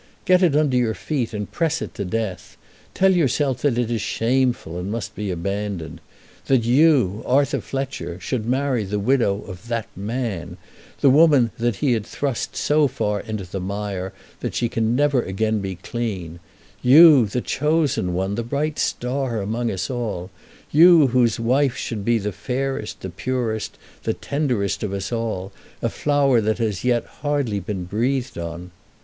Get it under your feet and press it to death. Tell yourself that it is shameful and must be abandoned. That you, Arthur Fletcher, should marry the widow of that man, the woman that he had thrust so far into the mire that she can never again be clean; you, the chosen one, the bright star among us all; you, whose wife should be the fairest, the purest, the tenderest of us all, a flower that has yet been hardly breathed on!